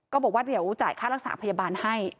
บอกว่าเดี๋ยวจ่ายค่ารักษาพยาบาลให้